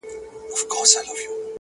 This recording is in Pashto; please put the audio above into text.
مخ که مي کعبې، که بتخاتې ته اړولی دی !